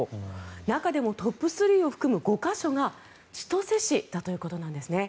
中でも、トップ３を含む５か所が千歳市だということなんですね。